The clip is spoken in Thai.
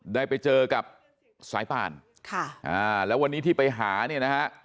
ได้ไปเจอกับสายป่านค่ะอ่าแล้ววันนี้ที่ไปหาเนี่ยนะฮะ